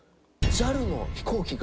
ＪＡＬの飛行機で。